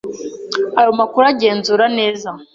Aya makuru agenzura neza.